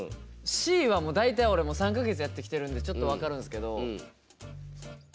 Ｃはもう大体俺も３か月やってきてるんでちょっと分かるんですけど。